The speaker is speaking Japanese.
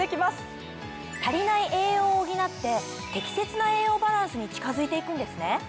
足りない栄養を補って適切な栄養バランスに近づいていくんですね。